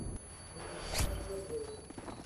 มีอาหารและเครื่องดื่ม